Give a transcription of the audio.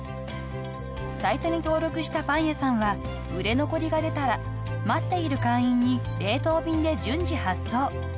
［サイトに登録したパン屋さんは売れ残りが出たら待っている会員に冷凍便で順次発送］